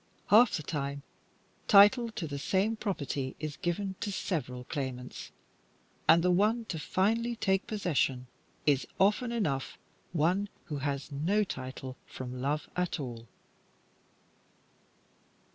Half the time, title to the same property is given to several claimants, and the one to finally take possession is often enough one who has no title from love at all.